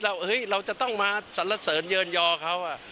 เราจะต้องมาสรรเสริญเยินยอเขา